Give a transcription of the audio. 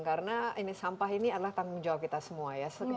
karena sampah ini adalah tanggung jawab kita semua ya